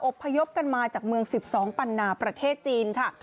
พยพกันมาจากเมือง๑๒ปันนาประเทศจีนค่ะ